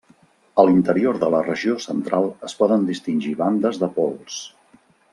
A l'interior de la regió central es poden distingir bandes de pols.